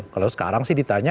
kalau sekarang sih ditanya